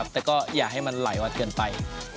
แต่ก็อย่าให้มันไหลมาเกินไป